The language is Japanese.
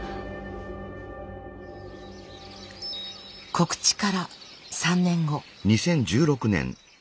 告知から３年後。